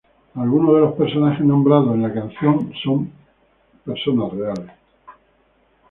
Algunos de los personajes nombrados en la canción son personas reales.